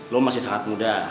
lo masih sangat muda